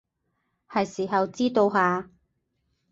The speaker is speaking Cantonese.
喺時候知道下